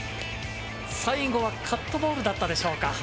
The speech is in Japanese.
最後はカットボールだったでしょうか。